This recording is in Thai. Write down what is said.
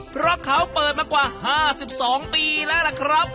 เพราะเขาเปิดมากว่า๕๒ปีแล้วล่ะครับ